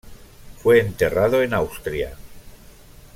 Fue enterrado en Austria.